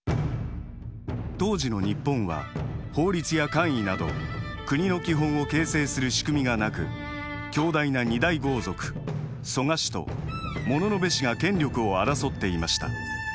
当時の日本は法律や冠位など国の基本を形成する仕組みがなく強大な２大豪族蘇我氏と物部氏が権力を争っていました。